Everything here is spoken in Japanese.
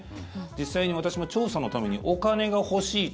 実際に私も調査のためにお金が欲しいと。